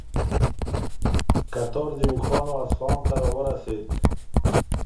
کتار د اوښانو اصفهان ته راورسېد.